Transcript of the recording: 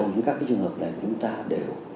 những các cái trường hợp này chúng ta đều